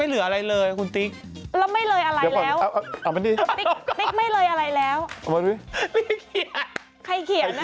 ไม่เหลืออะไรเลยคุณติ๊กแล้วไม่เหลืออะไรแล้วติ๊กไม่เหลืออะไรแล้ว